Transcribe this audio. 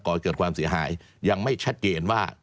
เกิดความเสียหายยังไม่ชัดเจนว่า